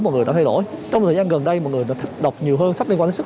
mọi người đã thay đổi trong thời gian gần đây mọi người đã đọc nhiều hơn sách liên quan đến sức